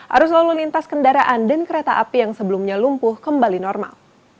arus lalu lintas kendaraan dan kereta api yang sebelumnya lumpuh kembali normal